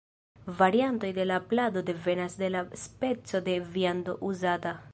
Variantoj de la plado devenas de la speco de viando uzata.